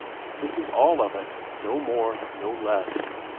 This is all of it! No more, no less.